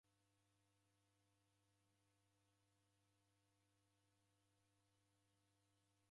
Ela w'aja w'erekoghe na kazi ra ofisinyi niwo w'aw'iapata w'asi.